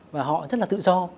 và họ rất là tự do